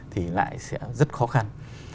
thì lại sẽ rất khó khăn